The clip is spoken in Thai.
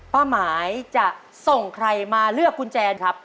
ป้าหมายจะส่งใครมาเลือกกุญแจครับ